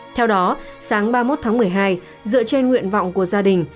theo đó sáng ba mươi một tháng một mươi hai dựa trên nguyện vọng của gia đình